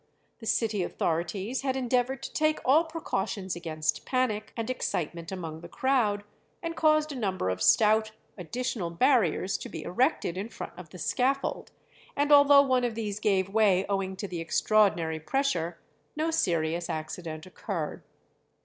The city authorities had endeavoured to take all precautions against panic and excitement among the crowd, and caused a number of stout additional barriers to be erected in front of the scaffold, and although one of these gave way owing to the extraordinary pressure, no serious accident occurred.